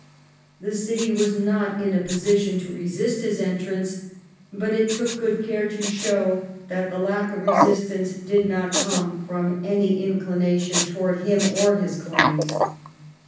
The city was not in a position to resist his entrance, but it took good care to show that the lack of resistance did not come from any in clination towards him or his claims.